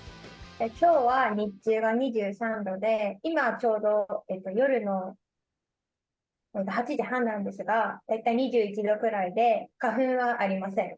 きょうは日中は２３度で、今ちょうど夜の８時半なんですが、大体２１度ぐらいで、花粉はありません。